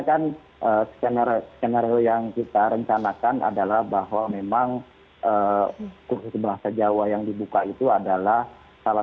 kan skenario yang kita rencanakan adalah bahwa memang kursus bahasa jawa yang dibuka itu adalah salah